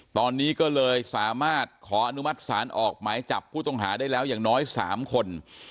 ตอนนี้ก็เลยสามารถขออนุมัติศาลออกหมายจับผู้ต้องหาได้แล้วอย่างน้อย๓คน